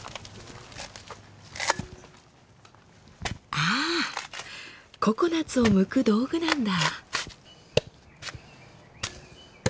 ああココナツをむく道具なんだ。